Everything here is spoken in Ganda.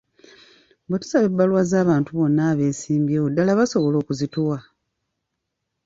Bwe tubasaba ebbaluwa z'abantu bonna abeesimbyewo ddala basobola okuzituwa?